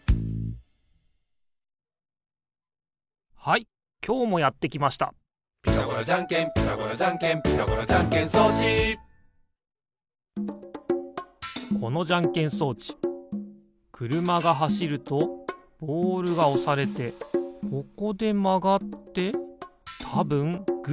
はいきょうもやってきました「ピタゴラじゃんけんピタゴラじゃんけん」「ピタゴラじゃんけん装置」このじゃんけん装置くるまがはしるとボールがおされてここでまがってたぶんグーがでる。